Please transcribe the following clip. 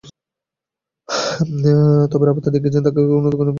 তবে রাবাদা দেখিয়ে গেছেন, তাঁকে কেন দক্ষিণ আফ্রিকার বোলিংয়ের ভবিষ্যৎ বলা হচ্ছে।